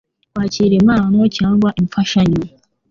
kwakira impano cyangwa impfashanyo